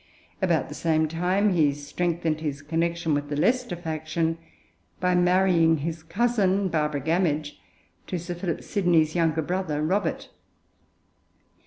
About the same time he strengthened his connection with the Leicester faction by marrying his cousin, Barbara Gamage, to Sir Philip Sidney's younger brother Robert.